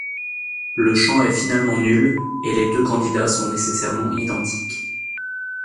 Le champ est finalement nul et les deux candidats sont nécessairement identiques.